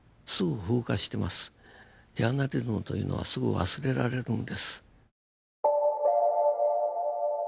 ジャーナリズムというのはすぐ忘れられるんです。